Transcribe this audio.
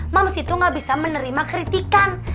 moms itu gak bisa menerima kritikan